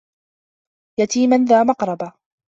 يَتيمًا ذا مَقرَبَةٍ